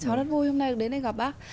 cháu rất vui hôm nay đến đây gặp bác